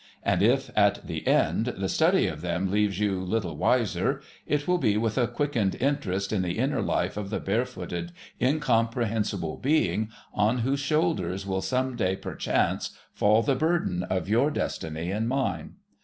And if, at the end, the study of them leaves you little wiser, it will be with a quickened interest in the inner life of the barefooted, incomprehensible being on whose shoulders will some day perchance fall the burden of your destiny and mine.